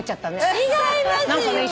違いますよ！